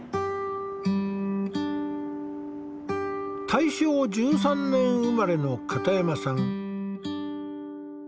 大正１３年生まれの片山さん。